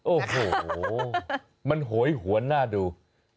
โอ้โหมันโหยหวนหน้าดู